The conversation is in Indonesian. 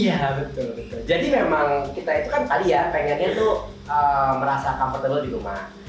iya betul jadi memang kita itu kan tadi ya pengennya tuh merasa comfortable di rumah